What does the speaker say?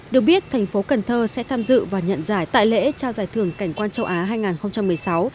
được biết thành phố cần thơ sẽ tham dự và nhận giải tại lễ trao giải thưởng cảnh quan châu á hai nghìn một mươi sáu